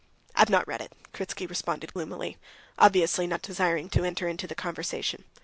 "I've not read it," Kritsky responded gloomily, obviously not desiring to enter into the conversation.